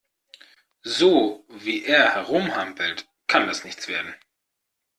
So, wie er herumhampelt, kann das nichts werden.